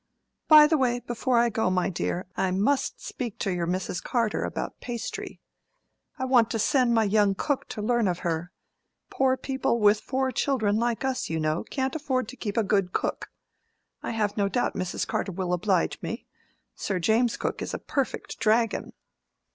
By the bye, before I go, my dear, I must speak to your Mrs. Carter about pastry. I want to send my young cook to learn of her. Poor people with four children, like us, you know, can't afford to keep a good cook. I have no doubt Mrs. Carter will oblige me. Sir James's cook is a perfect dragon."